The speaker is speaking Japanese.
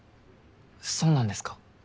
そうなんですか！？